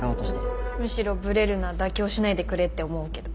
むしろブレるな妥協しないでくれって思うけど。